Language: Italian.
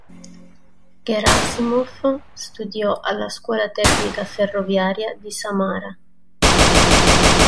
Gerasimov studiò alla scuola tecnica ferroviaria di Samara.